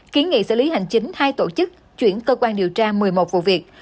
kiến nghị xử lý hành chính hai tổ chức chuyển cơ quan điều tra một mươi một vụ việc